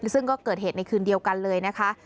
ซึ่งก็เกิดเหตุในคืนเดียวกันเลยนะคะ